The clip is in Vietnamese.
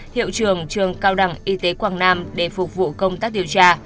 hiệu trường trường cao đẳng y tế quảng nam để phục vụ công tác điều tra